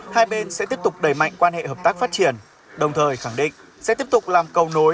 hai bên sẽ tiếp tục đẩy mạnh quan hệ hợp tác phát triển đồng thời khẳng định sẽ tiếp tục làm cầu nối